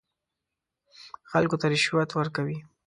خلکو ته رشوت ورکوي.